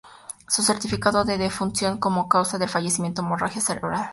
Su certificado de defunción da como causa del fallecimiento hemorragia cerebral.